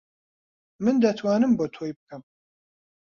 من دەتوانم بۆ تۆی بکەم.